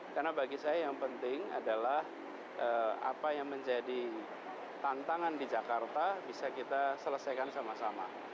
karena bagi saya yang penting adalah apa yang menjadi tantangan di jakarta bisa kita selesaikan sama sama